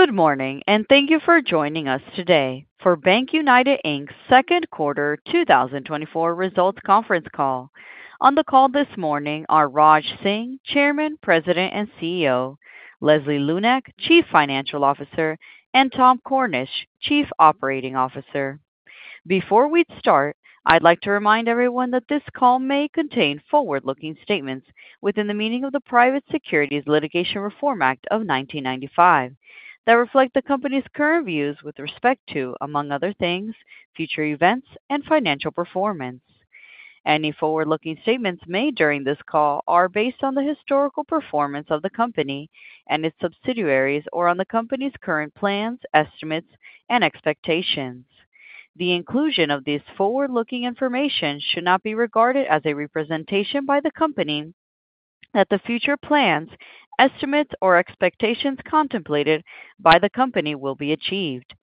Good morning, and thank you for joining us today for BankUnited Inc.'s second quarter 2024 results conference call. On the call this morning are Raj Singh, Chairman, President, and CEO; Leslie Lunak, Chief Financial Officer; and Tom Cornish, Chief Operating Officer. Before we start, I'd like to remind everyone that this call may contain forward-looking statements within the meaning of the Private Securities Litigation Reform Act of 1995, that reflect the company's current views with respect to, among other things, future events and financial performance. Any forward-looking statements made during this call are based on the historical performance of the company and its subsidiaries or on the company's current plans, estimates, and expectations. The inclusion of these forward-looking information should not be regarded as a representation by the company that the future plans, estimates, or expectations contemplated by the company will be achieved.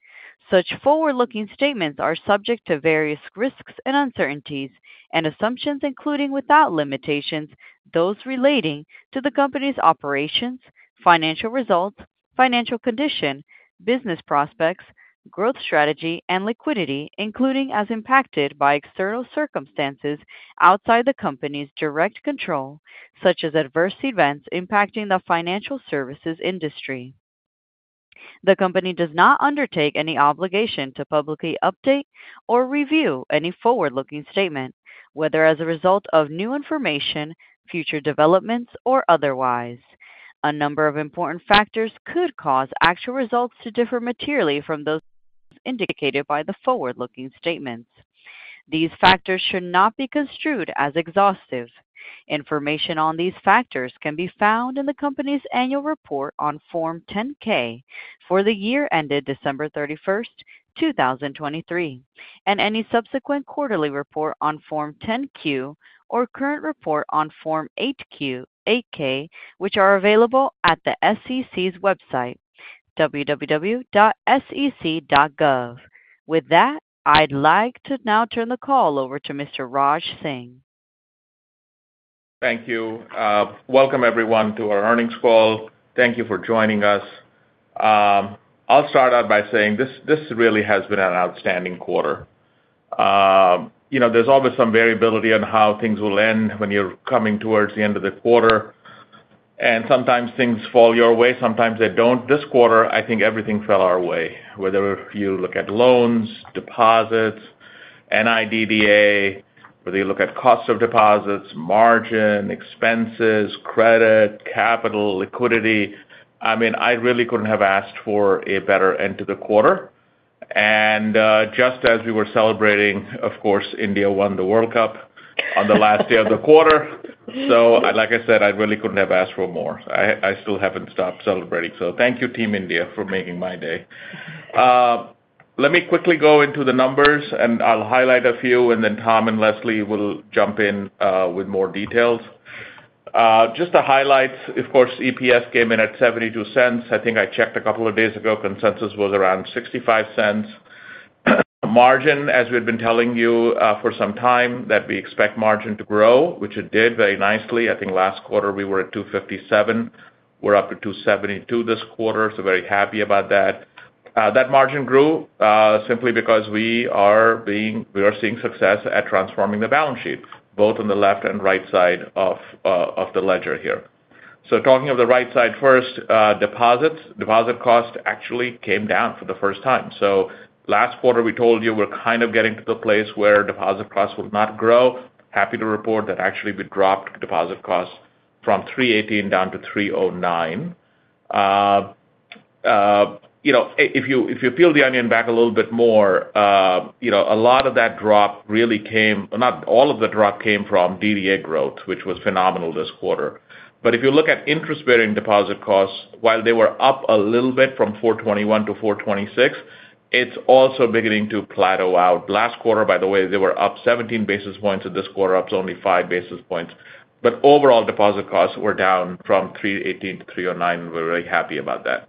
Such forward-looking statements are subject to various risks and uncertainties and assumptions, including without limitations, those relating to the company's operations, financial results, financial condition, business prospects, growth strategy, and liquidity, including as impacted by external circumstances outside the company's direct control, such as adverse events impacting the financial services industry. The company does not undertake any obligation to publicly update or review any forward-looking statement, whether as a result of new information, future developments, or otherwise. A number of important factors could cause actual results to differ materially from those indicated by the forward-looking statements. These factors should not be construed as exhaustive. Information on these factors can be found in the company's annual report on Form 10-K for the year ended December 31, 2023, and any subsequent quarterly report on Form 10-Q or current report on Form 8-K, which are available at the SEC's website, www.sec.gov. With that, I'd like to now turn the call over to Mr. Raj Singh. Thank you. Welcome everyone to our earnings call. Thank you for joining us. I'll start out by saying this, this really has been an outstanding quarter. You know, there's always some variability on how things will end when you're coming towards the end of the quarter, and sometimes things fall your way, sometimes they don't. This quarter, I think everything fell our way, whether if you look at loans, deposits, NIDDA, whether you look at cost of deposits, margin, expenses, credit, capital, liquidity. I mean, I really couldn't have asked for a better end to the quarter. And just as we were celebrating, of course, India won the World Cup on the last day of the quarter. So like I said, I really couldn't have asked for more. I still haven't stopped celebrating. So thank you, Team India, for making my day. Let me quickly go into the numbers, and I'll highlight a few, and then Tom and Leslie will jump in with more details. Just to highlight, of course, EPS came in at $0.72. I think I checked a couple of days ago, consensus was around $0.65. Margin, as we've been telling you for some time, that we expect margin to grow, which it did very nicely. I think last quarter we were at 2.57%. We're up at 2.72% this quarter, so very happy about that. That margin grew simply because we are seeing success at transforming the balance sheet, both on the left and right side of the ledger here. So talking of the right side first, deposits. Deposit cost actually came down for the first time. So last quarter, we told you we're kind of getting to the place where deposit costs would not grow. Happy to report that actually, we dropped deposit costs from 3.18 down to 3.09. You know, if you peel the onion back a little bit more, you know, a lot of that drop really came. Not all of the drop came from DDA growth, which was phenomenal this quarter. But if you look at interest-bearing deposit costs, while they were up a little bit from 4.21 to 4.26, it's also beginning to plateau out. Last quarter, by the way, they were up 17 basis points, and this quarter up to only 5 basis points. But overall, deposit costs were down from 3.18 to 3.09. We're very happy about that.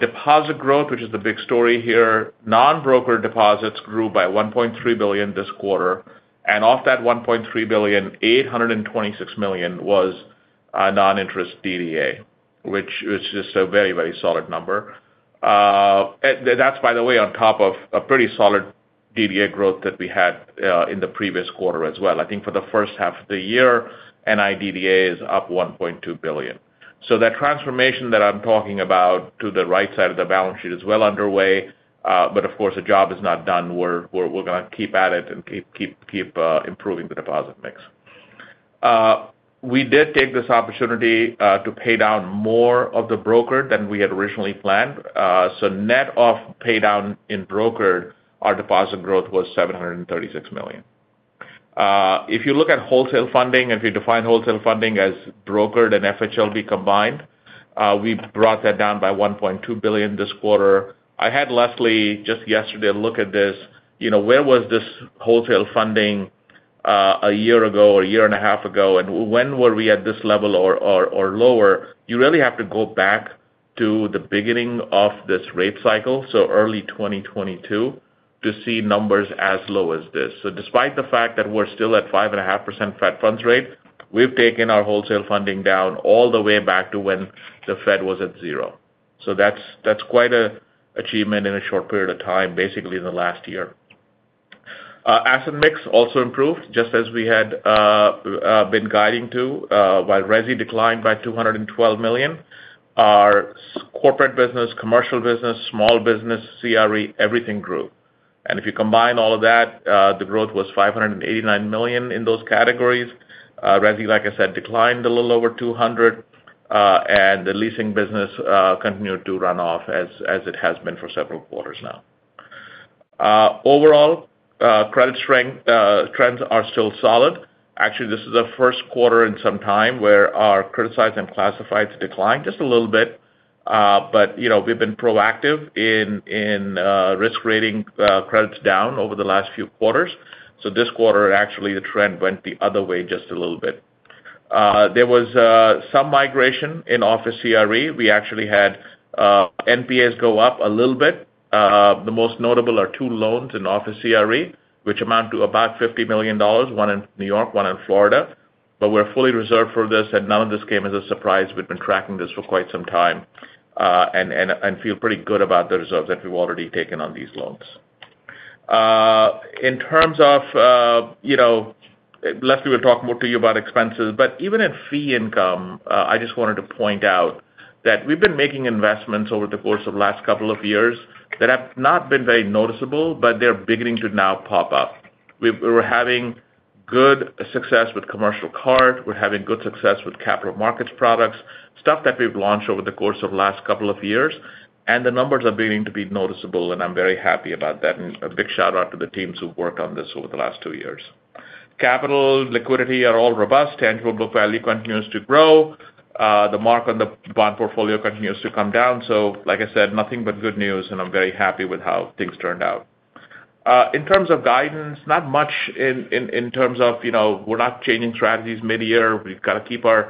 Deposit growth, which is the big story here, non-broker deposits grew by $1.3 billion this quarter, and off that $1.3 billion, $826 million was non-interest DDA, which is just a very, very solid number. That's, by the way, on top of a pretty solid DDA growth that we had in the previous quarter as well. I think for the first half of the year, NIDDA is up $1.2 billion. So that transformation that I'm talking about to the right side of the balance sheet is well underway, but of course, the job is not done. We're going to keep at it and keep improving the deposit mix. We did take this opportunity to pay down more of the broker than we had originally planned. So net of pay down in brokered, our deposit growth was $736 million. If you look at wholesale funding, if you define wholesale funding as brokered and FHLB combined, we brought that down by $1.2 billion this quarter. I had Leslie just yesterday look at this. You know, where was this wholesale funding a year ago or a year and a half ago? And when were we at this level or lower? You really have to go back to the beginning of this rate cycle, so early 2022... to see numbers as low as this. So despite the fact that we're still at 5.5% Fed funds rate, we've taken our wholesale funding down all the way back to when the Fed was at zero. So that's quite an achievement in a short period of time, basically in the last year. Asset mix also improved, just as we had been guiding to, while resi declined by $212 million. Our corporate business, commercial business, small business, CRE, everything grew. And if you combine all of that, the growth was $589 million in those categories. Resi, like I said, declined a little over $200, and the leasing business continued to run off as it has been for several quarters now. Overall, credit strength trends are still solid. Actually, this is the first quarter in some time where our criticized and classifieds declined just a little bit. But, you know, we've been proactive in risk rating credits down over the last few quarters. So this quarter, actually, the trend went the other way just a little bit. There was some migration in office CRE. We actually had NPAs go up a little bit. The most notable are two loans in office CRE, which amount to about $50 million, one in New York, one in Florida. But we're fully reserved for this, and none of this came as a surprise. We've been tracking this for quite some time, and feel pretty good about the reserves that we've already taken on these loans. In terms of, you know, Leslie will talk more to you about expenses, but even in fee income, I just wanted to point out that we've been making investments over the course of the last couple of years that have not been very noticeable, but they're beginning to now pop up. We've -- we're having good success with commercial card, we're having good success with capital markets products, stuff that we've launched over the course of the last couple of years, and the numbers are beginning to be noticeable, and I'm very happy about that. And a big shout-out to the teams who've worked on this over the last two years. Capital, liquidity are all robust. Tangible book value continues to grow. The mark on the bond portfolio continues to come down. So like I said, nothing but good news, and I'm very happy with how things turned out. In terms of guidance, not much in terms of, you know, we're not changing strategies mid-year. We've got to keep our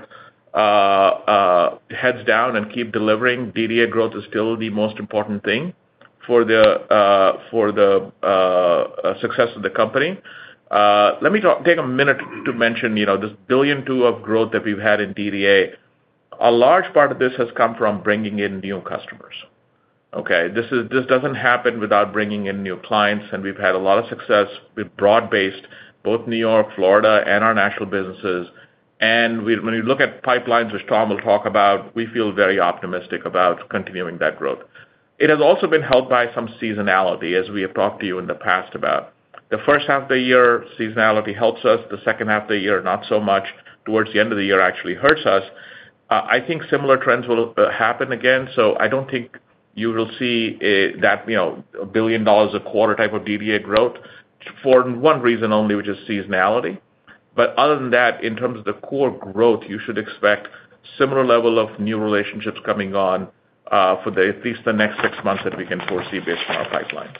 heads down and keep delivering. DDA growth is still the most important thing for the success of the company. Let me take a minute to mention, you know, this $1.2 billion of growth that we've had in DDA. A large part of this has come from bringing in new customers, okay? This is. This doesn't happen without bringing in new clients, and we've had a lot of success with broad-based, both New York, Florida, and our national businesses. And when you look at pipelines, which Tom will talk about, we feel very optimistic about continuing that growth. It has also been helped by some seasonality, as we have talked to you in the past about. The first half of the year, seasonality helps us. The second half of the year, not so much. Towards the end of the year, it actually hurts us. I think similar trends will happen again, so I don't think you will see a, you know, $1 billion a quarter type of DDA growth, for one reason only, which is seasonality. But other than that, in terms of the core growth, you should expect similar level of new relationships coming on, for at least the next six months that we can foresee based on our pipelines.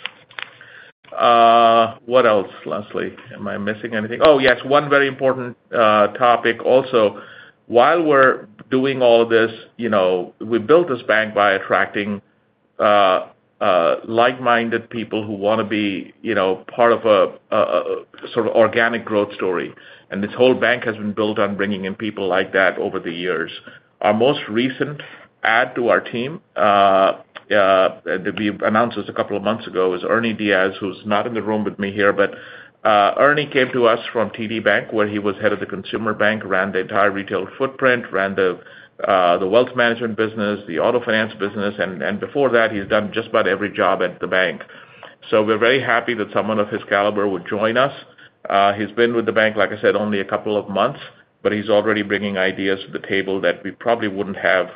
What else, Leslie? Am I missing anything? Oh, yes, one very important topic also. While we're doing all of this, you know, we built this bank by attracting like-minded people who want to be, you know, part of a sort of organic growth story. And this whole bank has been built on bringing in people like that over the years. Our most recent add to our team, we announced this a couple of months ago, is Ernie Diaz, who's not in the room with me here. But, Ernie came to us from TD Bank, where he was head of the consumer bank, ran the entire retail footprint, ran the, the wealth management business, the auto finance business, and, and before that, he's done just about every job at the bank. So we're very happy that someone of his caliber would join us. He's been with the bank, like I said, only a couple of months, but he's already bringing ideas to the table that we probably wouldn't have,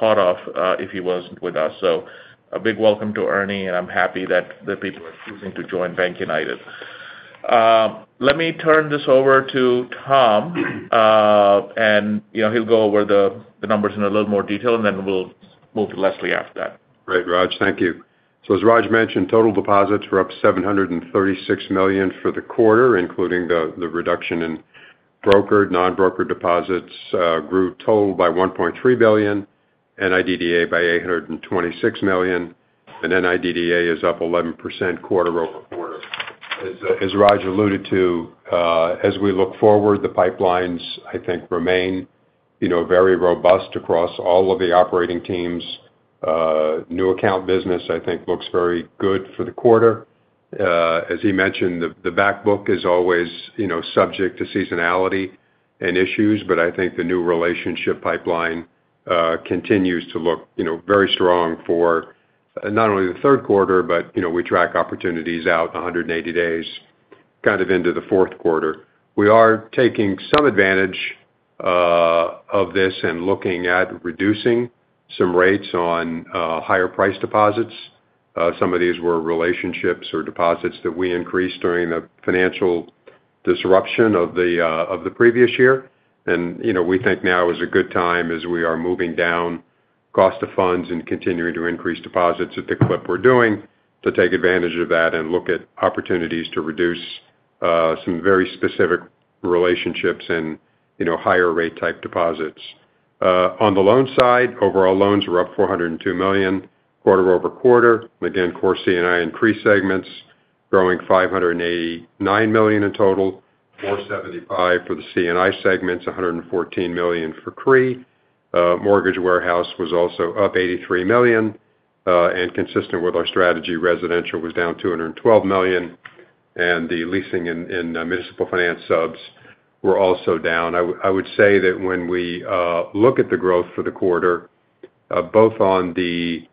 thought of, if he wasn't with us. So a big welcome to Ernie, and I'm happy that the people are choosing to join BankUnited. Let me turn this over to Tom, and, you know, he'll go over the numbers in a little more detail, and then we'll move to Leslie after that. Great, Raj. Thank you. So as Raj mentioned, total deposits were up $736 million for the quarter, including the reduction in brokered. Non-brokered deposits grew total by $1.3 billion, NIDDA by $826 million, and NIDDA is up 11% quarter-over-quarter. As, as Raj alluded to, as we look forward, the pipelines, I think, remain, you know, very robust across all of the operating teams. New account business, I think, looks very good for the quarter. As he mentioned, the back book is always, you know, subject to seasonality and issues, but I think the new relationship pipeline continues to look, you know, very strong for not only the third quarter, but, you know, we track opportunities out 180 days, kind of into the fourth quarter. We are taking some advantage of this and looking at reducing some rates on higher price deposits. Some of these were relationships or deposits that we increased during the financial disruption of the previous year. And, you know, we think now is a good time as we are moving down cost of funds and continuing to increase deposits at the clip we're doing, to take advantage of that and look at opportunities to reduce some very specific relationships and, you know, higher rate-type deposits. On the loan side, overall loans were up $402 million quarter-over-quarter. Again, core C&I and CRE segments, growing $589 million in total, $475 million for the C&I segments, $114 million for CRE. Mortgage warehouse was also up $83 million. And consistent with our strategy, residential was down $212 million, and the leasing and municipal finance subs were also down. I would say that when we look at the growth for the quarter, both on the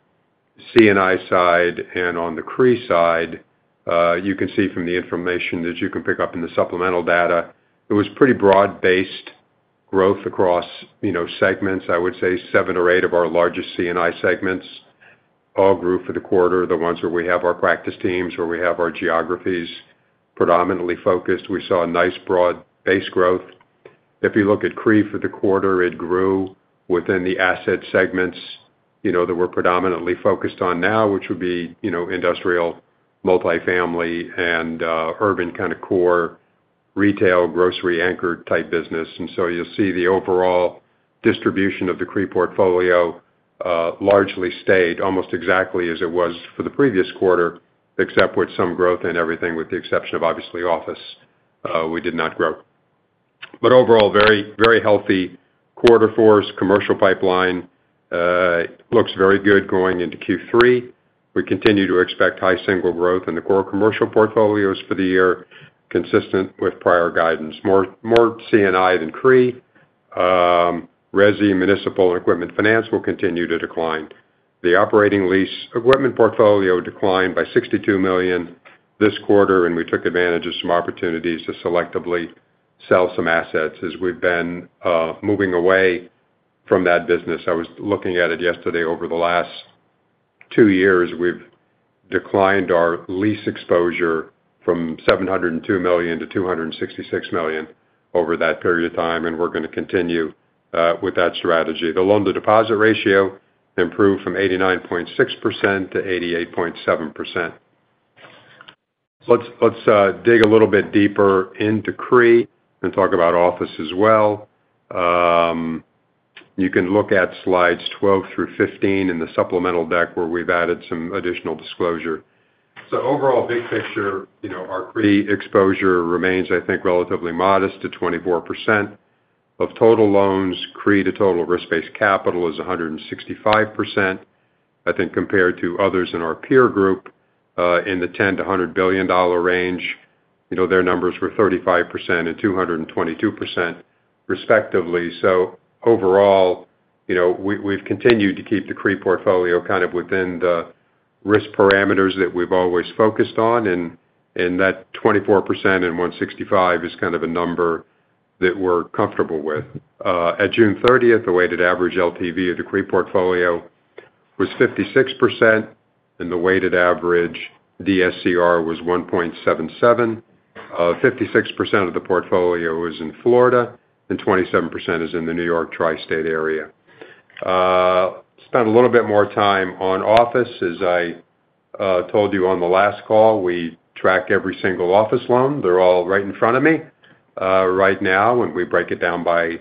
C&I side and on the CRE side, you can see from the information that you can pick up in the supplemental data, it was pretty broad-based growth across, you know, segments. I would say seven or eight of our largest C&I segments all grew for the quarter. The ones where we have our practice teams, where we have our geographies predominantly focused, we saw a nice broad base growth. If you look at CRE for the quarter, it grew within the asset segments, you know, that we're predominantly focused on now, which would be, you know, industrial, multifamily and urban kind of core, retail, grocery anchor type business. And so you'll see the overall distribution of the CRE portfolio largely stayed almost exactly as it was for the previous quarter, except with some growth and everything, with the exception of obviously, office, we did not grow. But overall, very, very healthy quarter for us. Commercial pipeline looks very good going into Q3. We continue to expect high single growth in the core commercial portfolios for the year, consistent with prior guidance. More C&I than CRE. Resi, municipal and equipment finance will continue to decline. The operating lease equipment portfolio declined by $62 million this quarter, and we took advantage of some opportunities to selectively sell some assets as we've been moving away from that business. I was looking at it yesterday. Over the last two years, we've declined our lease exposure from $702 million to $266 million over that period of time, and we're gonna continue with that strategy. The loan-to-deposit ratio improved from 89.6% to 88.7%. Let's dig a little bit deeper into CRE and talk about office as well. You can look at slides 12 through 15 in the supplemental deck, where we've added some additional disclosure. So overall, big picture, you know, our CRE exposure remains, I think, relatively modest to 24% of total loans. CRE to total risk-based capital is 165%. I think, compared to others in our peer group, in the $10 billion-$100 billion range, you know, their numbers were 35% and 222%, respectively. So overall, you know, we've continued to keep the CRE portfolio kind of within the risk parameters that we've always focused on, and that 24% and 165 is kind of a number that we're comfortable with. At June thirtieth, the weighted average LTV of the CRE portfolio was 56%, and the weighted average DSCR was 1.77. 56% of the portfolio is in Florida, and 27% is in the New York Tri-State Area. Spend a little bit more time on office. As I told you on the last call, we track every single office loan. They're all right in front of me right now, and we break it down by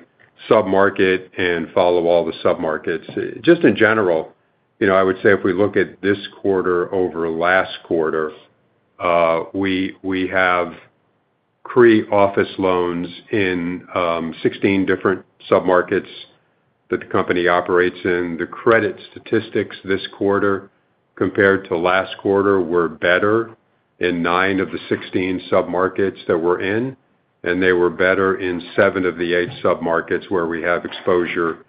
submarket and follow all the submarkets. Just in general, you know, I would say if we look at this quarter over last quarter, we have CRE office loans in 16 different submarkets that the company operates in. The credit statistics this quarter compared to last quarter were better in nine of the 16 submarkets that we're in, and they were better in seven of the eight submarkets where we have exposure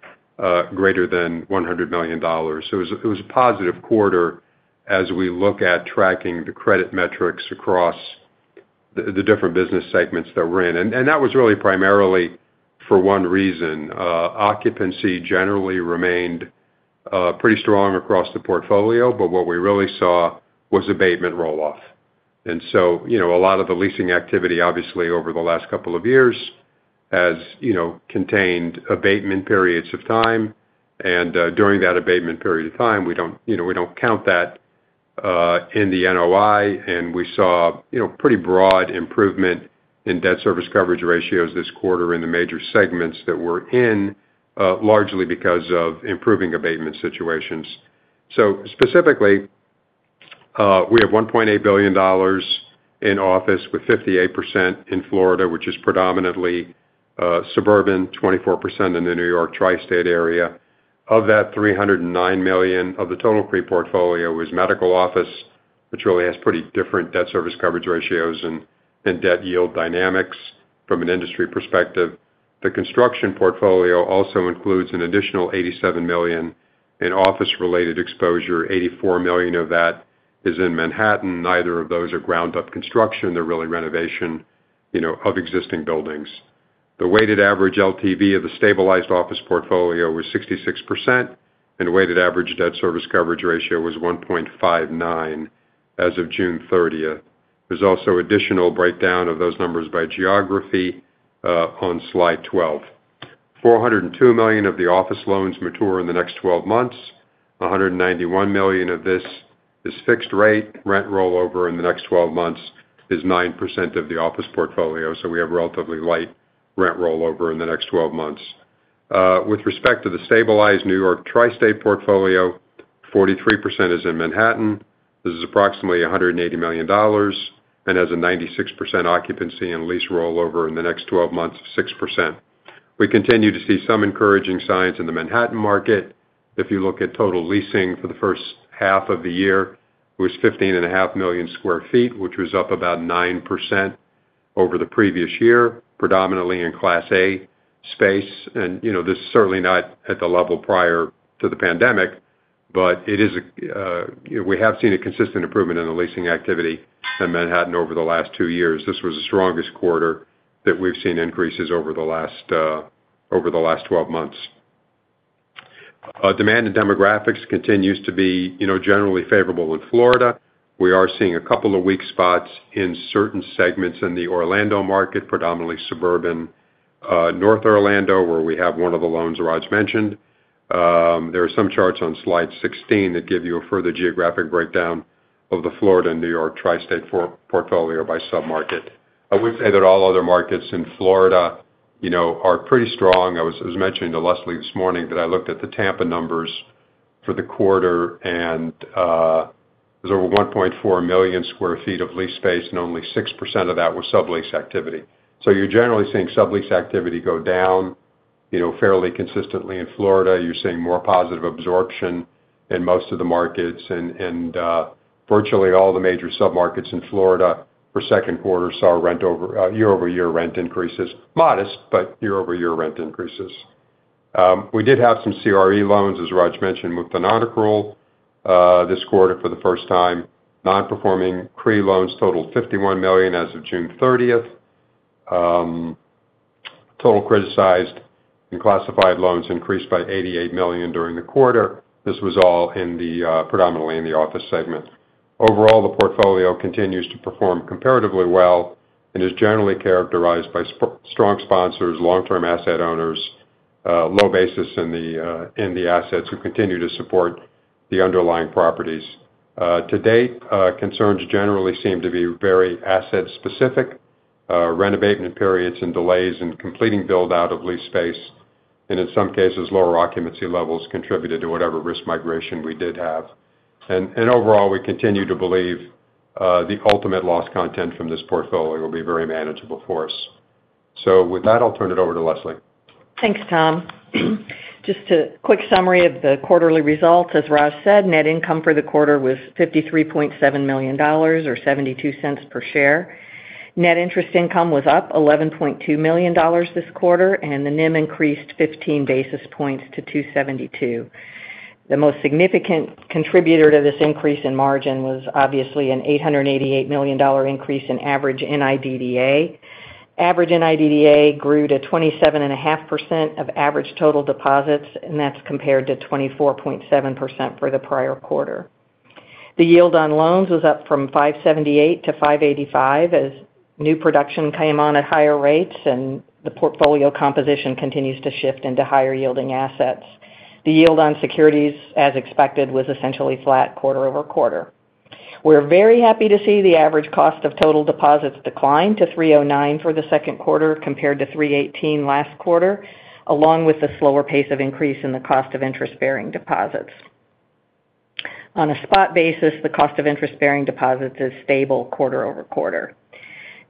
greater than $100 million. So it was a positive quarter as we look at tracking the credit metrics across the different business segments that we're in. And that was really primarily for one reason. Occupancy generally remained pretty strong across the portfolio, but what we really saw was abatement roll-off. And so, you know, a lot of the leasing activity, obviously, over the last couple of years, has, you know, contained abatement periods of time. And during that abatement period of time, we don't, you know, we don't count that in the NOI, and we saw, you know, pretty broad improvement in debt service coverage ratios this quarter in the major segments that we're in, largely because of improving abatement situations. So specifically, we have $1.8 billion in office, with 58% in Florida, which is predominantly suburban, 24% in the New York Tri-State Area. Of that, $309 million of the total CRE portfolio is medical office, which really has pretty different debt service coverage ratios and debt yield dynamics from an industry perspective. The construction portfolio also includes an additional $87 million in office-related exposure. $84 million of that is in Manhattan. Neither of those are ground-up construction. They're really renovation, you know, of existing buildings. The weighted average LTV of the stabilized office portfolio was 66%, and the weighted average debt service coverage ratio was 1.59 as of June 30. There's also additional breakdown of those numbers by geography on slide 12. $402 million of the office loans mature in the next 12 months. $191 million of this is fixed rate. Rent rollover in the next 12 months is 9% of the office portfolio, so we have relatively light rent rollover in the next 12 months. With respect to the stabilized New York Tri-State portfolio, 43% is in Manhattan. This is approximately $180 million and has a 96% occupancy and lease rollover in the next 12 months of 6%. We continue to see some encouraging signs in the Manhattan market. If you look at total leasing for the first half of the year, it was 15.5 million sq ft, which was up about 9% over the previous year, predominantly in Class A space. And, you know, this is certainly not at the level prior to the pandemic, but it is, we have seen a consistent improvement in the leasing activity in Manhattan over the last 2 years. This was the strongest quarter that we've seen increases over the last, over the last 12 months. Demand and demographics continues to be, you know, generally favorable in Florida. We are seeing a couple of weak spots in certain segments in the Orlando market, predominantly suburban, North Orlando, where we have one of the loans Raj mentioned. There are some charts on slide 16 that give you a further geographic breakdown of the Florida and New York Tri-State portfolio by submarket. I would say that all other markets in Florida, you know, are pretty strong. I was, I was mentioning to Leslie this morning that I looked at the Tampa numbers for the quarter, and, there were 1.4 million sq ft of lease space, and only 6% of that was sublease activity. So you're generally seeing sublease activity go down, you know, fairly consistently in Florida. You're seeing more positive absorption in most of the markets, and virtually all the major submarkets in Florida for second quarter saw rent year-over-year rent increases. Modest, but year-over-year rent increases. We did have some CRE loans, as Raj mentioned, move to nonaccrual this quarter for the first time. Non-performing CRE loans totaled $51 million as of June thirtieth. Total criticized and classified loans increased by $88 million during the quarter. This was all predominantly in the office segment. Overall, the portfolio continues to perform comparatively well and is generally characterized by strong sponsors, long-term asset owners, low basis in the assets who continue to support the underlying properties. To date, concerns generally seem to be very asset specific, renovating periods and delays in completing build-out of lease space, and in some cases, lower occupancy levels contributed to whatever risk migration we did have. And overall, we continue to believe the ultimate loss content from this portfolio will be very manageable for us. So with that, I'll turn it over to Leslie. Thanks, Tom. Just a quick summary of the quarterly results. As Raj said, net income for the quarter was $53.7 million, or $0.72 per share. Net interest income was up $11.2 million this quarter, and the NIM increased 15 basis points to 272. The most significant contributor to this increase in margin was obviously an $888 million increase in average NIDDA. Average NIDDA grew to 27.5% of average total deposits, and that's compared to 24.7% for the prior quarter. The yield on loans was up from 5.78 to 5.85 as new production came on at higher rates, and the portfolio composition continues to shift into higher-yielding assets. The yield on securities, as expected, was essentially flat quarter-over-quarter. We're very happy to see the average cost of total deposits decline to 3.09 for the second quarter, compared to 3.18 last quarter, along with a slower pace of increase in the cost of interest-bearing deposits. On a spot basis, the cost of interest-bearing deposits is stable quarter-over-quarter.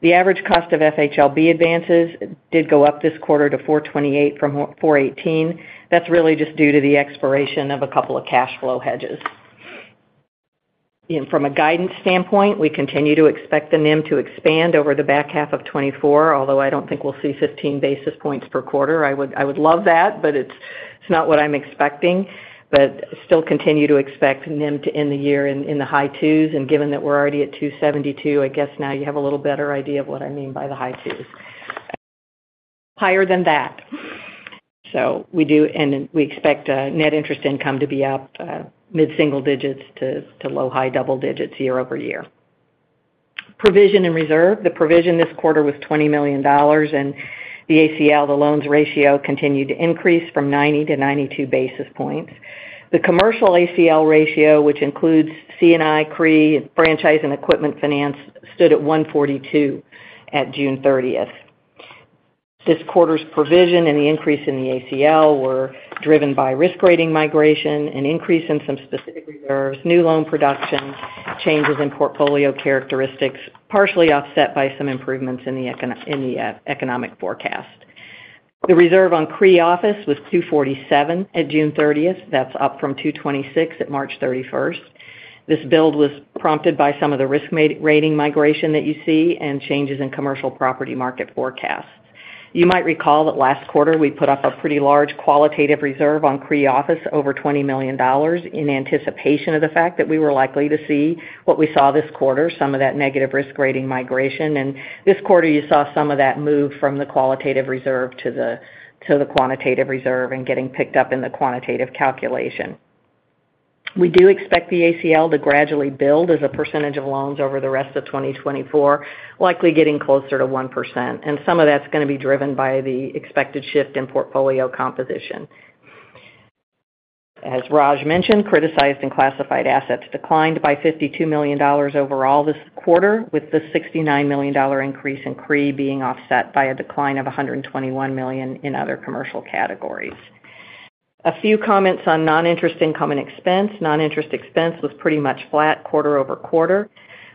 The average cost of FHLB advances did go up this quarter to 4.28 from 4.18. That's really just due to the expiration of a couple of cash flow hedges. From a guidance standpoint, we continue to expect the NIM to expand over the back half of 2024, although I don't think we'll see 15 basis points per quarter. I would, I would love that, but it's, it's not what I'm expecting. But still continue to expect NIM to end the year in the high 2s, and given that we're already at 2.72, I guess now you have a little better idea of what I mean by the high 2s. Higher than that. So we do, and we expect net interest income to be up mid-single digits to low-high double digits year-over-year. Provision and reserve. The provision this quarter was $20 million, and the ACL, the loans ratio, continued to increase from 90 to 92 basis points. The commercial ACL ratio, which includes C&I, CRE, franchise and equipment finance, stood at 142 at June 30th. This quarter's provision and the increase in the ACL were driven by risk rating migration, an increase in some specific reserves, new loan production, changes in portfolio characteristics, partially offset by some improvements in the economic forecast. The reserve on CRE office was $247 million at June 30. That's up from $226 million at March 31. This build was prompted by some of the risk rating migration that you see and changes in commercial property market forecasts. You might recall that last quarter, we put up a pretty large qualitative reserve on CRE office over $20 million in anticipation of the fact that we were likely to see what we saw this quarter, some of that negative risk rating migration. This quarter, you saw some of that move from the qualitative reserve to the quantitative reserve and getting picked up in the quantitative calculation. We do expect the ACL to gradually build as a percentage of loans over the rest of 2024, likely getting closer to 1%. Some of that's gonna be driven by the expected shift in portfolio composition. As Raj mentioned, criticized and classified assets declined by $52 million overall this quarter, with the $69 million increase in CRE being offset by a decline of $121 million in other commercial categories. A few comments on non-interest income and expense. Non-interest expense was pretty much flat quarter-over-quarter.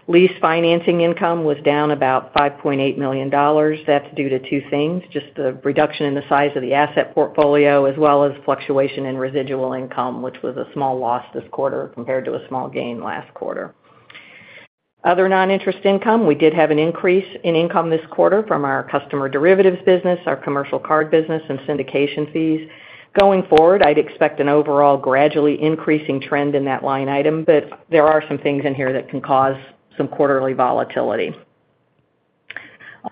Lease financing income was down about $5.8 million. That's due to two things, just the reduction in the size of the asset portfolio, as well as fluctuation in residual income, which was a small loss this quarter compared to a small gain last quarter. Other non-interest income, we did have an increase in income this quarter from our customer derivatives business, our commercial card business, and syndication fees. Going forward, I'd expect an overall gradually increasing trend in that line item, but there are some things in here that can cause some quarterly volatility.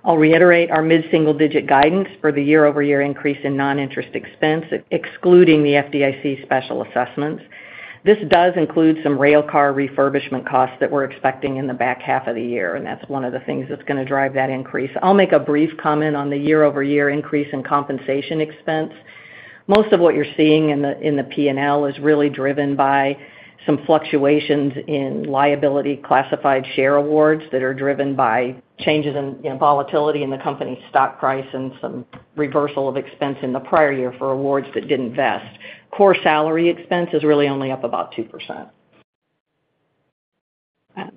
I'll reiterate our mid-single-digit guidance for the year-over-year increase in non-interest expense, excluding the FDIC special assessments. This does include some railcar refurbishment costs that we're expecting in the back half of the year, and that's one of the things that's going to drive that increase. I'll make a brief comment on the year-over-year increase in compensation expense. Most of what you're seeing in the P&L is really driven by some fluctuations in liability classified share awards that are driven by changes in, you know, volatility in the company's stock price and some reversal of expense in the prior year for awards that didn't vest. Core salary expense is really only up about 2%.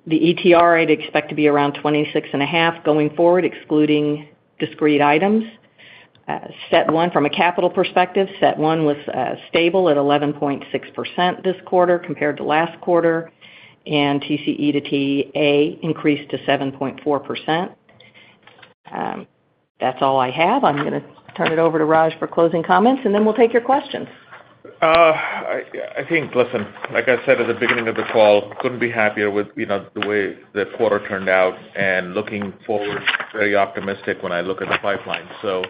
The ETR, I'd expect to be around 26.5 going forward, excluding discrete items. CET1 from a capital perspective, CET1 was stable at 11.6% this quarter compared to last quarter, and TCE to TA increased to 7.4%. That's all I have. I'm going to turn it over to Raj for closing comments, and then we'll take your questions. I think, listen, like I said at the beginning of the call, couldn't be happier with, you know, the way the quarter turned out, and looking forward, very optimistic when I look at the pipeline. So,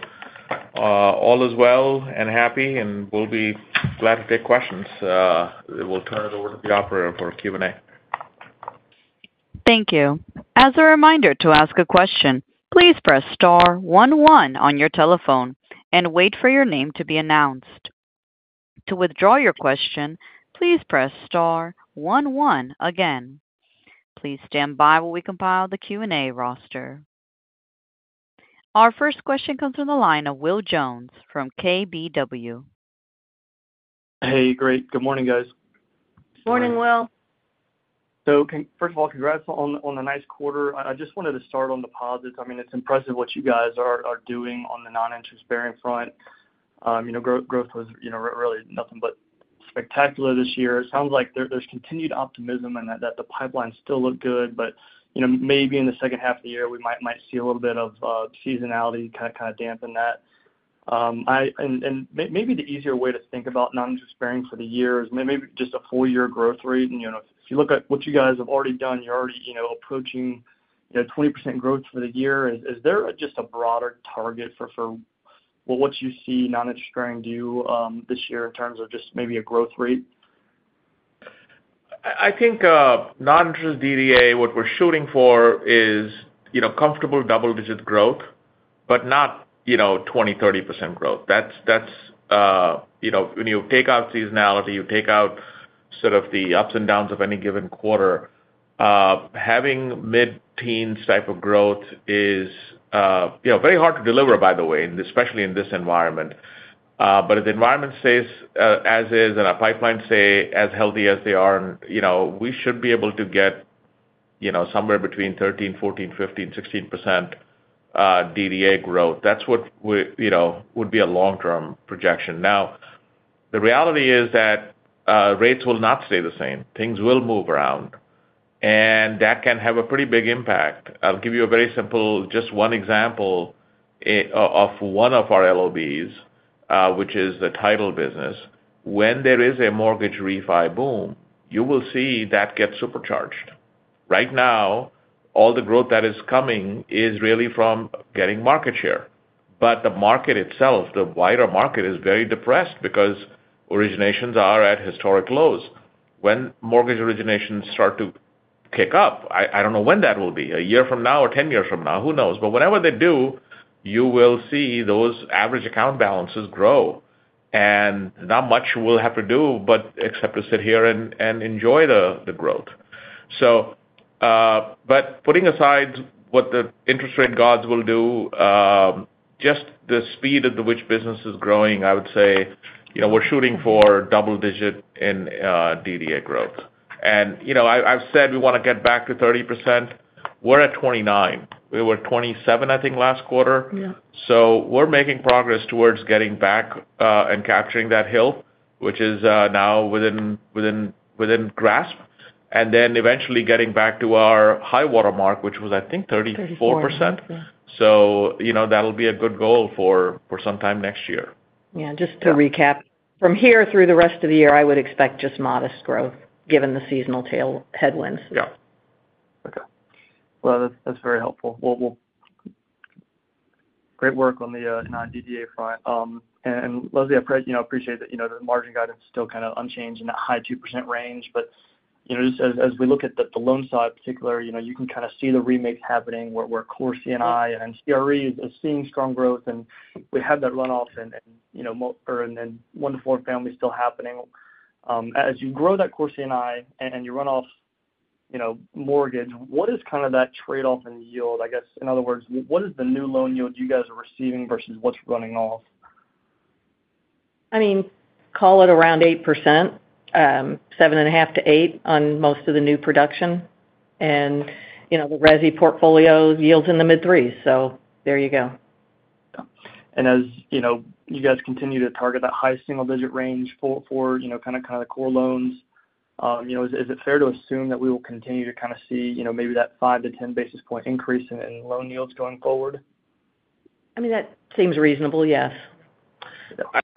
all is well and happy, and we'll be glad to take questions. We'll turn it over to the operator for Q&A. Thank you. As a reminder to ask a question, please press star one one on your telephone and wait for your name to be announced. To withdraw your question, please press star one one again. Please stand by while we compile the Q&A roster. Our first question comes from the line of Will Jones from KBW. Hey, great. Good morning, guys. Morning, Will. So, first of all, congrats on the nice quarter. I just wanted to start on deposits. I mean, it's impressive what you guys are doing on the non-interest bearing front. You know, growth was, you know, really nothing but spectacular this year. It sounds like there's continued optimism and that the pipelines still look good, but, you know, maybe in the second half of the year, we might see a little bit of seasonality kind of dampen that. And, maybe the easier way to think about non-interest bearing for the year is maybe just a full year growth rate. And, you know, if you look at what you guys have already done, you're already, you know, approaching 20% growth for the year. Is there just a broader target for what you see non-interest-bearing do this year in terms of just maybe a growth rate? I think, non-interest DDA, what we're shooting for is, you know, comfortable double-digit growth, but not, you know, 20, 30% growth. That's, you know, when you take out seasonality, you take out sort of the ups and downs of any given quarter, having mid-teens type of growth is, you know, very hard to deliver, by the way, and especially in this environment. But if the environment stays, as is, and our pipelines stay as healthy as they are, and you know, we should be able to get, you know, somewhere between 13, 14, 15, 16%, DDA growth. That's what we, you know, would be a long-term projection. Now, the reality is that, rates will not stay the same. Things will move around, and that can have a pretty big impact. I'll give you a very simple, just one example of one of our LOBs, which is the title business. When there is a mortgage refi boom, you will see that get supercharged. Right now, all the growth that is coming is really from getting market share. But the market itself, the wider market, is very depressed because originations are at historic lows. When mortgage originations start to kick up, I don't know when that will be, a year from now or 10 years from now, who knows? But whenever they do, you will see those average account balances grow, and not much we'll have to do but except to sit here and enjoy the growth. So, but putting aside what the interest rate gods will do, just the speed at which business is growing, I would say, you know, we're shooting for double-digit in DDA growth. You know, I've said we want to get back to 30%. We're at 29. We were 27, I think, last quarter. Yeah. So we're making progress towards getting back and capturing that hill, which is now within grasp, and then eventually getting back to our high water mark, which was, I think, 34%. Thirty-four, yeah. You know, that'll be a good goal for sometime next year. Yeah, just to recap, from here through the rest of the year, I would expect just modest growth, given the seasonal tailwinds and headwinds. Yeah. Okay. Well, that's very helpful. Well, great work on the non-DDA front. And Leslie, I appreciate that, you know, the margin guidance is still kind of unchanged in that high 2% range, but you know, just as we look at the loan side in particular, you know, you can kind of see the remake happening where core C&I and CRE is seeing strong growth, and we have that runoff and, you know, mortgage and then 1-4 family still happening. As you grow that core C&I and you run off, you know, mortgage, what is kind of that trade-off in yield? I guess, in other words, what is the new loan yield you guys are receiving versus what's running off? I mean, call it around 8%, 7.5%-8% on most of the new production. And, you know, the resi portfolio yields in the mid-3s, so there you go. As you know, you guys continue to target that high single-digit range for, you know, kind of core loans, you know, is it fair to assume that we will continue to kind of see, you know, maybe that 5-10 basis point increase in loan yields going forward? I mean, that seems reasonable, yes.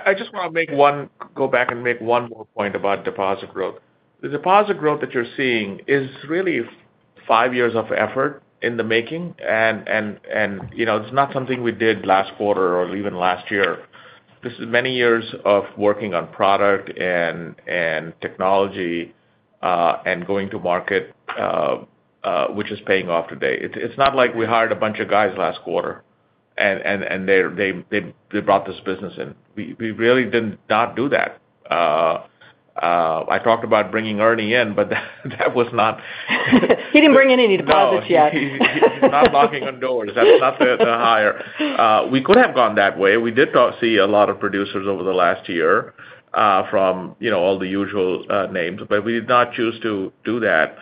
I just want to go back and make one more point about deposit growth. The deposit growth that you're seeing is really five years of effort in the making. And you know, it's not something we did last quarter or even last year. This is many years of working on product and technology and going to market, which is paying off today. It's not like we hired a bunch of guys last quarter, and they brought this business in. We really did not do that. I talked about bringing Ernie in, but that was not- He didn't bring in any deposits yet. No, he's not knocking on doors. That's not the hire. We could have gone that way. We did see a lot of producers over the last year, from, you know, all the usual names, but we did not choose to do that.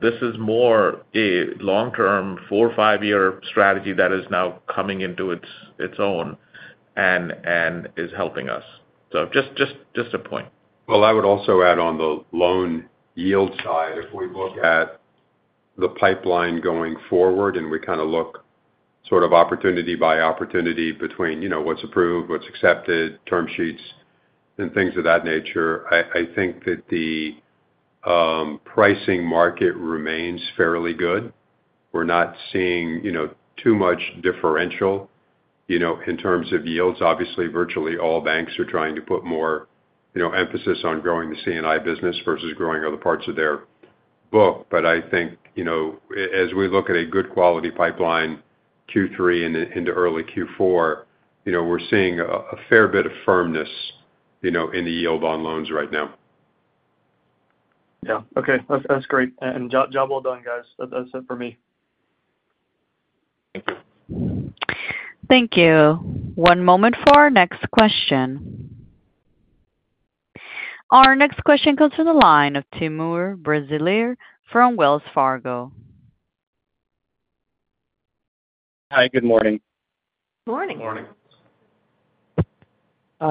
This is more a long-term, 4-5-year strategy that is now coming into its own and is helping us. So just a point. Well, I would also add on the loan yield side, if we look at the pipeline going forward, and we kind of look sort of opportunity by opportunity between, you know, what's approved, what's accepted, term sheets and things of that nature, I, I think that the pricing market remains fairly good. We're not seeing, you know, too much differential, you know, in terms of yields. Obviously, virtually all banks are trying to put more, you know, emphasis on growing the C&I business versus growing other parts of their book. But I think, you know, as we look at a good quality pipeline, Q3 into early Q4, you know, we're seeing a fair bit of firmness, you know, in the yield on loans right now. Yeah. Okay. That's, that's great. And job well done, guys. That's it for me. Thank you. Thank you. One moment for our next question. Our next question comes from the line of Timur Braziler from Wells Fargo. Hi, good morning. Morning. Morning.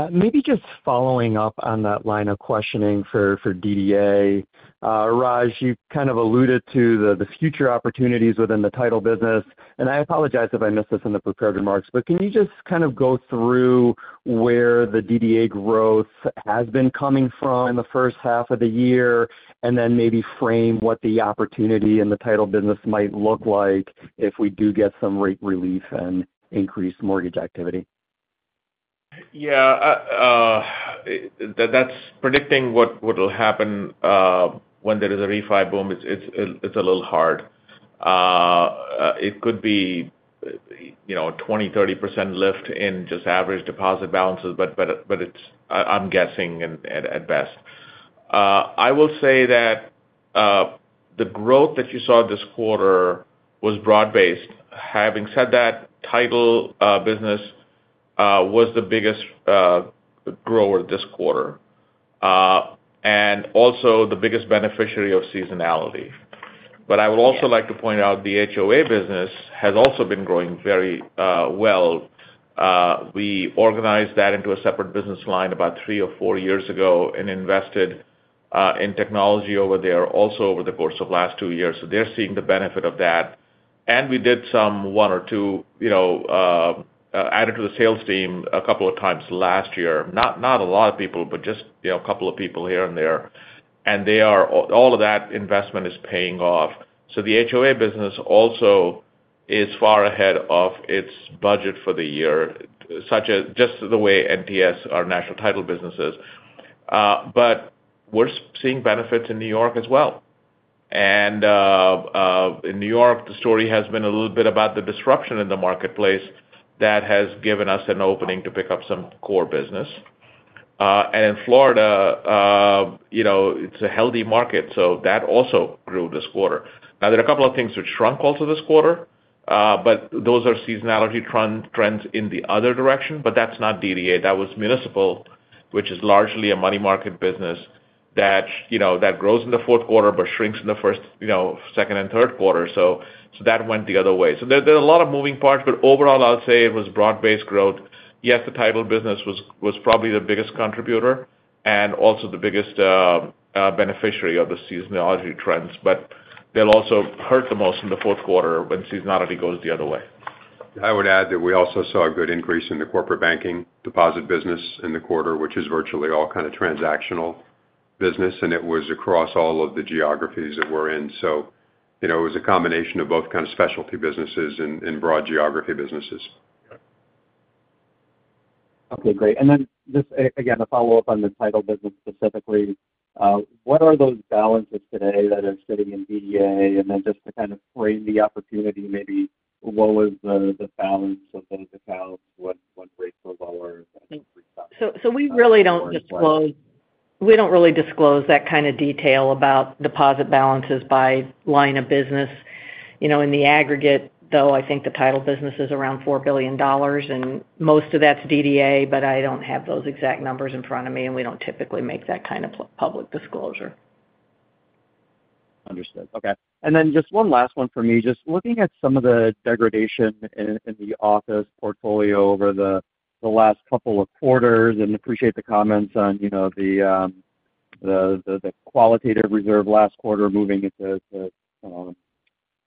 Maybe just following up on that line of questioning for, for DDA. Raj, you kind of alluded to the future opportunities within the title business, and I apologize if I missed this in the prepared remarks, but can you just kind of go through where the DDA growth has been coming from in the first half of the year, and then maybe frame what the opportunity in the title business might look like if we do get some rate relief and increased mortgage activity? Yeah. That's predicting what will happen when there is a refi boom. It's a little hard. It could be, you know, 20%-30% lift in just average deposit balances, but it's, I'm guessing at best. I will say that the growth that you saw this quarter was broad-based. Having said that, title business was the biggest grower this quarter and also the biggest beneficiary of seasonality. But I would also like to point out the HOA business has also been growing very well. We organized that into a separate business line about three or four years ago and invested in technology over there, also over the course of last two years. So they're seeing the benefit of that. And we did some 1 or 2, you know, added to the sales team a couple of times last year. Not a lot of people, but just, you know, a couple of people here and there, and they are all of that investment is paying off. So the HOA business also is far ahead of its budget for the year, such as just the way NTS, our national title business is. But we're seeing benefits in New York as well. And in New York, the story has been a little bit about the disruption in the marketplace that has given us an opening to pick up some core business. And in Florida, you know, it's a healthy market, so that also grew this quarter. Now, there are a couple of things that shrunk also this quarter, but those are seasonality trend, trends in the other direction, but that's not DDA. That was municipal, which is largely a money market business that, you know, that grows in the fourth quarter, but shrinks in the first, you know, second and third quarter. So, so that went the other way. So there, there are a lot of moving parts, but overall, I'll say it was broad-based growth. Yes, the title business was, was probably the biggest contributor and also the biggest beneficiary of the seasonality trends, but they'll also hurt the most in the fourth quarter when seasonality goes the other way. I would add that we also saw a good increase in the corporate banking deposit business in the quarter, which is virtually all kind of transactional business, and it was across all of the geographies that we're in. So, you know, it was a combination of both kind of specialty businesses and broad geography businesses.... Okay, great. And then just again a follow-up on the title business specifically. What are those balances today that are sitting in DDA? And then just to kind of frame the opportunity, maybe what was the balance of those accounts? What rates were lower? So, we really don't disclose that kind of detail about deposit balances by line of business. You know, in the aggregate, though, I think the title business is around $4 billion, and most of that's DDA, but I don't have those exact numbers in front of me, and we don't typically make that kind of public disclosure. Understood. Okay. And then just one last one for me. Just looking at some of the degradation in the office portfolio over the last couple of quarters, and appreciate the comments on, you know, the qualitative reserve last quarter, moving into the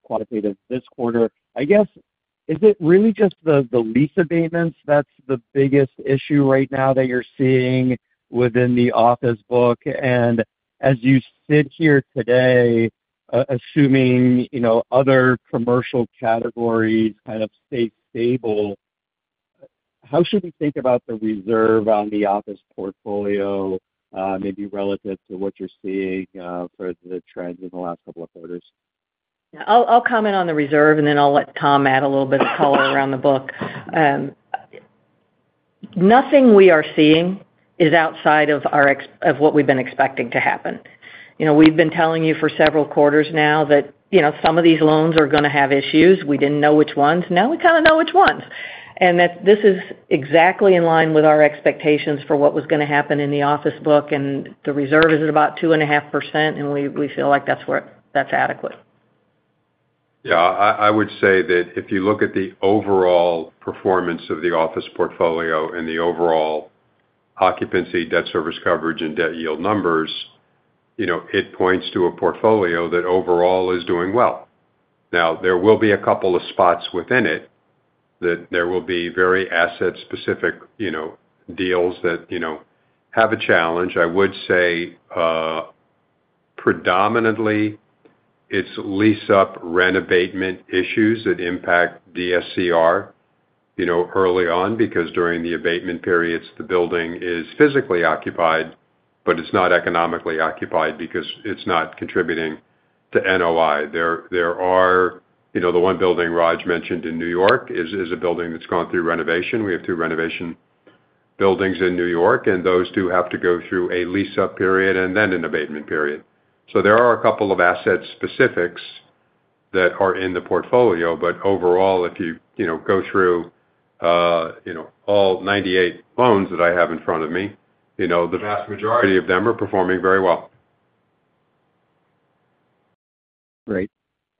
quantitative this quarter. I guess, is it really just the lease abatements that's the biggest issue right now that you're seeing within the office book? And as you sit here today, assuming, you know, other commercial categories kind of stay stable, how should we think about the reserve on the office portfolio, maybe relative to what you're seeing for the trends in the last couple of quarters? Yeah. I'll comment on the reserve, and then I'll let Tom add a little bit of color around the book. Nothing we are seeing is outside of our expectations of what we've been expecting to happen. You know, we've been telling you for several quarters now that, you know, some of these loans are gonna have issues. We didn't know which ones. Now we kind of know which ones. And that this is exactly in line with our expectations for what was gonna happen in the office book, and the reserve is at about 2.5%, and we feel like that's where that's adequate. Yeah, I would say that if you look at the overall performance of the office portfolio and the overall occupancy, debt service coverage and debt yield numbers, you know, it points to a portfolio that overall is doing well. Now, there will be a couple of spots within it that there will be very asset-specific, you know, deals that, you know, have a challenge. I would say, predominantly it's lease-up rent abatement issues that impact DSCR, you know, early on, because during the abatement periods, the building is physically occupied, but it's not economically occupied because it's not contributing to NOI. There are, you know, the one building Raj mentioned in New York is a building that's gone through renovation. We have two renovation buildings in New York, and those two have to go through a lease-up period and then an abatement period. So there are a couple of asset specifics that are in the portfolio, but overall, if you, you know, go through, you know, all 98 loans that I have in front of me, you know, the vast majority of them are performing very well. Great.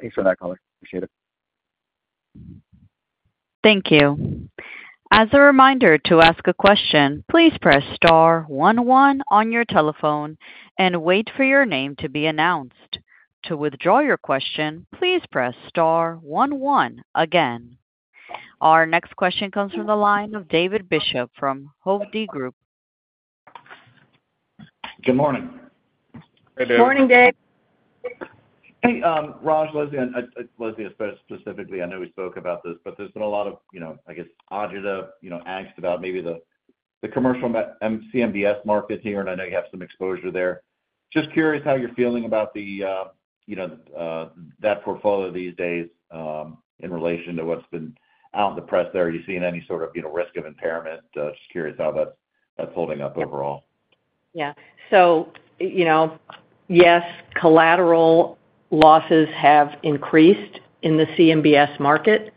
Thanks for that color. Appreciate it. Thank you. As a reminder, to ask a question, please press star one one on your telephone and wait for your name to be announced. To withdraw your question, please press star one one again. Our next question comes from the line of David Bishop from Hovde Group. Good morning. Hey, David. Morning, Dave. Hey, Raj, Leslie, and Leslie, specifically, I know we spoke about this, but there's been a lot of, you know, I guess, agita, you know, angst about maybe the commercial CMBS market here, and I know you have some exposure there. Just curious how you're feeling about that portfolio these days, in relation to what's been out in the press there. Are you seeing any sort of, you know, risk of impairment? Just curious how that's holding up overall. Yeah. So, you know, yes, collateral losses have increased in the CMBS market,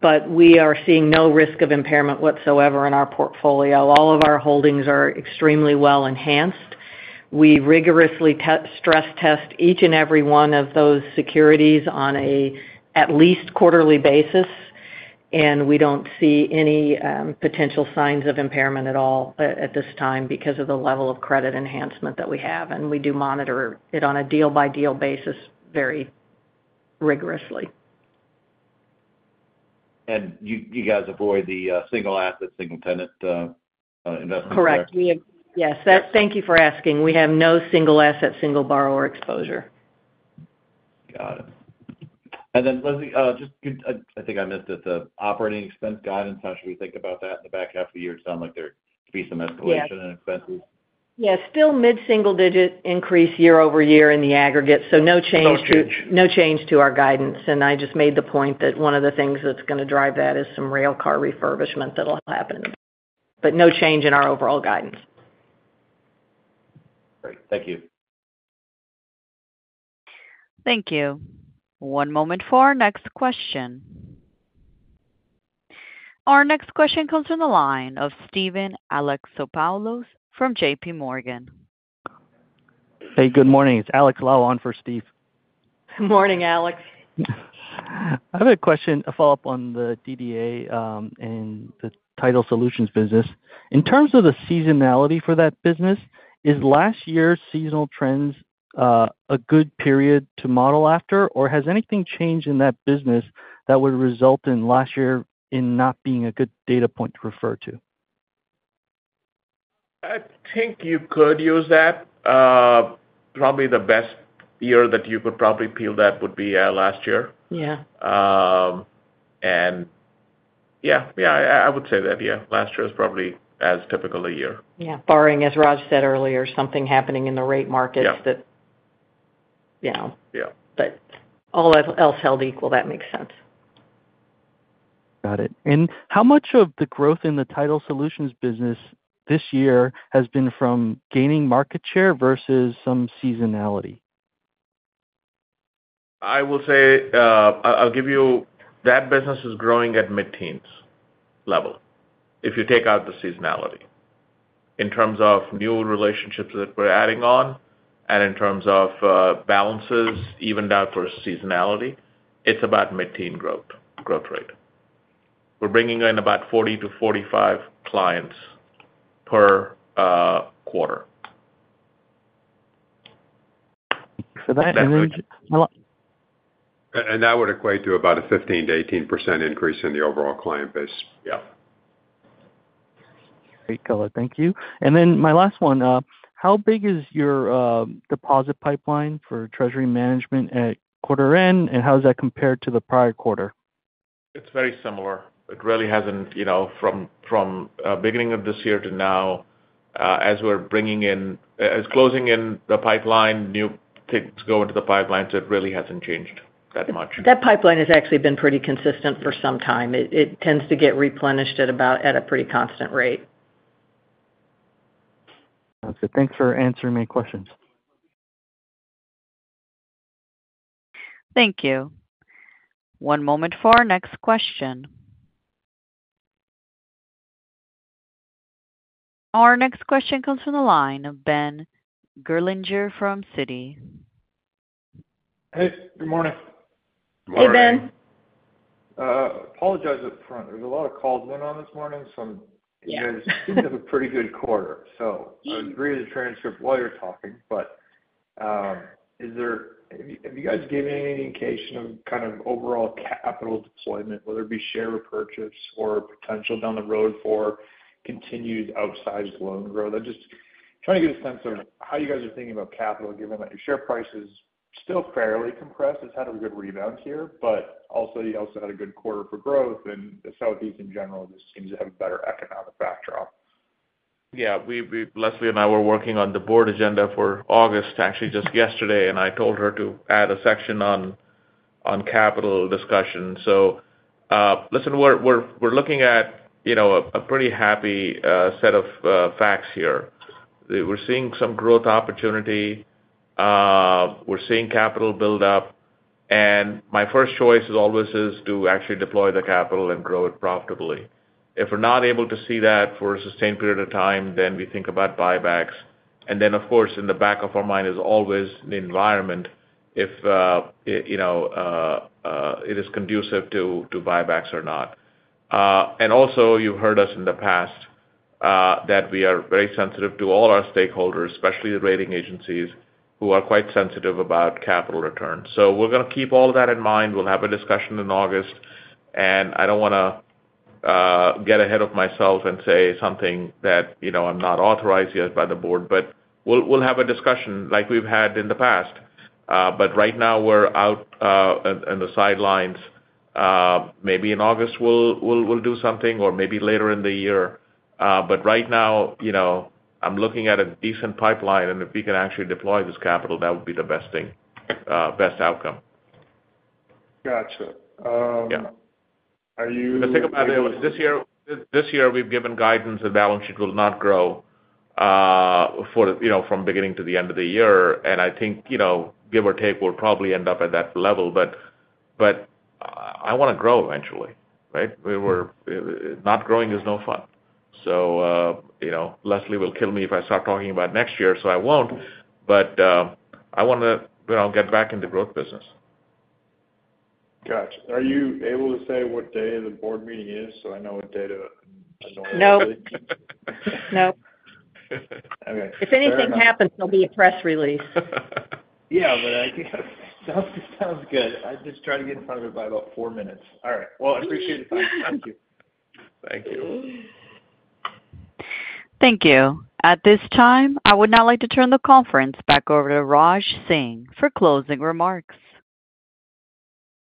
but we are seeing no risk of impairment whatsoever in our portfolio. All of our holdings are extremely well enhanced. We rigorously stress test each and every one of those securities on at least quarterly basis, and we don't see any potential signs of impairment at all at this time because of the level of credit enhancement that we have, and we do monitor it on a deal-by-deal basis very rigorously. You, you guys avoid the single asset, single tenant investments there? Correct. Yes. Thank you for asking. We have no single asset, single borrower exposure. Got it. And then, Leslie, just quick, I think I missed it, the operating expense guidance, how should we think about that in the back half of the year? It sound like there could be some escalation- Yeah -and expenses. Yeah, still mid-single-digit increase year-over-year in the aggregate, so no change to- No change? No change to our guidance. And I just made the point that one of the things that's gonna drive that is some railcar refurbishment that'll happen. But no change in our overall guidance. Great. Thank you. Thank you. One moment for our next question. Our next question comes from the line of Steven Alexopoulos from J.P. Morgan. Hey, good morning. It's Alex Lau on for Steve. Good morning, Alex. I have a question, a follow-up on the DDA, and the Title Solutions business. In terms of the seasonality for that business, is last year's seasonal trends a good period to model after, or has anything changed in that business that would result in last year in not being a good data point to refer to? ... I think you could use that. Probably the best year that you could probably peel that would be last year. Yeah. Yeah, I would say that, yeah. Last year was probably as typical a year. Yeah. Barring, as Raj said earlier, something happening in the rate markets- Yeah that, you know. Yeah. But all else held equal, that makes sense. Got it. And how much of the growth in the title solutions business this year has been from gaining market share versus some seasonality? I will say, I'll give you... That business is growing at mid-teens level, if you take out the seasonality. In terms of new relationships that we're adding on and in terms of, balances, evened out for seasonality, it's about mid-teen growth, growth rate. We're bringing in about 40-45 clients per quarter. So that means- That would equate to about a 15%-18% increase in the overall client base. Yeah. Great, color. Thank you. And then my last one, how big is your deposit pipeline for treasury management at quarter end, and how does that compare to the prior quarter? It's very similar. It really hasn't, you know, from beginning of this year to now, as closing in the pipeline, new ticks go into the pipeline, so it really hasn't changed that much. That pipeline has actually been pretty consistent for some time. It tends to get replenished at about a pretty constant rate. Okay, thanks for answering my questions. Thank you. One moment for our next question. Our next question comes from the line of Ben Gerlinger from Citi. Hey, good morning. Good morning. Hey, Ben. Apologize up front. There's a lot of calls in on this morning, so- Yeah. You guys seem to have a pretty good quarter. So I'll read the transcript while you're talking, but, is there— have you guys given any indication of kind of overall capital deployment, whether it be share repurchase or potential down the road for continued outsized loan growth? I'm just trying to get a sense of how you guys are thinking about capital, given that your share price is still fairly compressed. It's had a good rebound here, but also, you also had a good quarter for growth, and the Southeast in general just seems to have a better economic backdrop. Yeah, we Leslie and I were working on the board agenda for August, actually just yesterday, and I told her to add a section on capital discussion. So, listen, we're looking at, you know, a pretty happy set of facts here. We're seeing some growth opportunity. We're seeing capital build up, and my first choice is always to actually deploy the capital and grow it profitably. If we're not able to see that for a sustained period of time, then we think about buybacks. And then, of course, in the back of our mind is always the environment, if you know, it is conducive to buybacks or not. And also, you've heard us in the past that we are very sensitive to all our stakeholders, especially the rating agencies, who are quite sensitive about capital returns. So we're gonna keep all of that in mind. We'll have a discussion in August, and I don't wanna get ahead of myself and say something that, you know, I'm not authorized yet by the board, but we'll have a discussion like we've had in the past. But right now we're out on the sidelines. Maybe in August, we'll do something or maybe later in the year. But right now, you know, I'm looking at a decent pipeline, and if we can actually deploy this capital, that would be the best thing, best outcome. Gotcha. Um- Yeah. Are you- The thing about it, this year, this year, we've given guidance that balance sheet will not grow, for, you know, from beginning to the end of the year, and I think, you know, give or take, we'll probably end up at that level. But I want to grow eventually, right? We're not growing is no fun. So, you know, Leslie will kill me if I start talking about next year, so I won't. But I wanna, you know, get back in the growth business. Gotcha. Are you able to say what day the board meeting is, so I know what day to normally? No. Nope. Okay. If anything happens, there'll be a press release. Yeah, but I think sounds good. I'll just try to get in front of it by about 4 minutes. All right. Well, I appreciate the time. Thank you. Thank you. Thank you. At this time, I would now like to turn the conference back over to Raj Singh for closing remarks.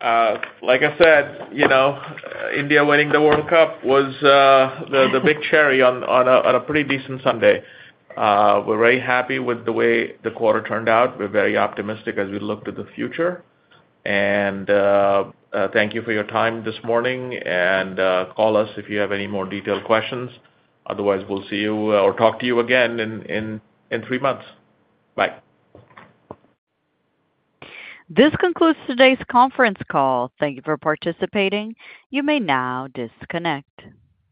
Like I said, you know, India winning the World Cup was the big cherry on a pretty decent Sunday. We're very happy with the way the quarter turned out. We're very optimistic as we look to the future. Thank you for your time this morning, and call us if you have any more detailed questions. Otherwise, we'll see you or talk to you again in three months. Bye. This concludes today's conference call. Thank you for participating. You may now disconnect.